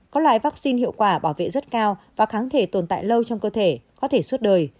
có loại vaccine hiệu quả bảo vệ rất cao và kháng thể tồn tại lâu trong cơ thể có thể suốt đời